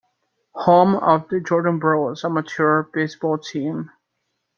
Home of the Jordan Brewers amateur baseball team.